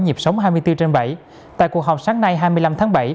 nghiệp sống hai mươi bốn h bảy tại cuộc họp sáng nay hai mươi năm tháng bảy